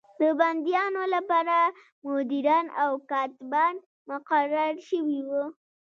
د بندیانو لپاره مدیران او کاتبان مقرر شوي وو.